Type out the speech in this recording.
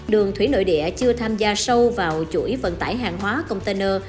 đường thủy nội địa chưa tham gia sâu vào chuỗi vận tải hàng hóa container